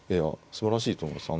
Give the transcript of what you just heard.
すばらしいと思います。